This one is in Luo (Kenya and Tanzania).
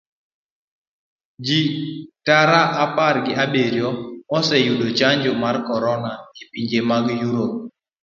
Ji tara apar gi abiriyo oseyudo chanjo mar korona epinje mag europe.